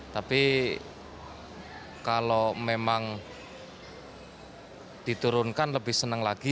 tapi kalau memang diturunkan lebih senang lagi